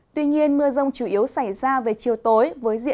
tuy nhiên mưa rông chủ yếu xảy ra về chiều tối